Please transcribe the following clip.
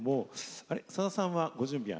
さださんは、ご準備は？